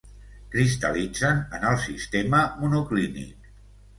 Cristal·litzen en el sistema monoclínic.